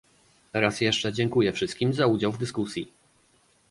Raz jeszcze dziękuję wszystkim za udział w dyskusji